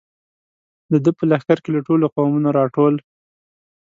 د ده په لښکر کې له ټولو قومونو را ټول.